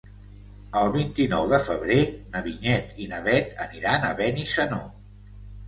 El vint-i-nou de febrer na Vinyet i na Bet aniran a Benissanó.